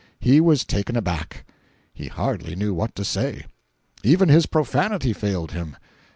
He was taken a back; he hardly knew what to say; even his profanity failed him.